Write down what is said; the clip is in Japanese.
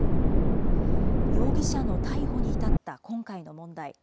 容疑者の逮捕に至った今回の問題。